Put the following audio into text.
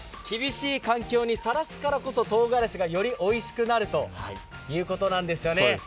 厳しい環境にさらすからこそ、とうがらしがよりおいしくなるということなんですね。